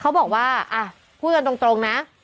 เขาบอกว่าพูดกันตรงนะ